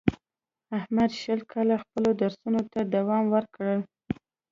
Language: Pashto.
احمد شل کاله خپلو درسونو ته دوام ورکړ.